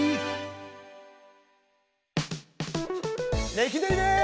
レキデリです！